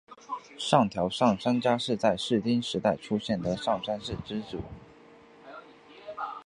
上条上杉家是在室町时代出现的上杉氏支族。